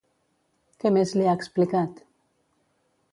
Què més li ha explicat?